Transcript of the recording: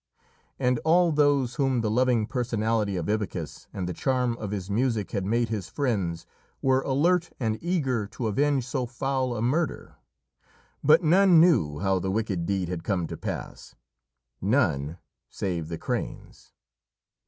And all those whom the loving personality of Ibycus and the charm of his music had made his friends were alert and eager to avenge so foul a murder. But none knew how the wicked deed had come to pass none, save the cranes.